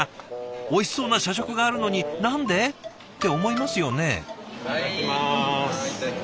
おいしそうな社食があるのに何で？って思いますよね。